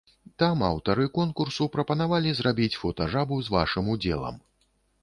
Там аўтары конкурсу прапаноўвалі зрабіць фотажабу з вашым удзелам.